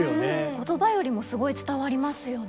言葉よりもすごい伝わりますよね。